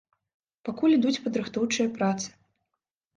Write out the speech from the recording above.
Пакуль ідуць падрыхтоўчыя працы.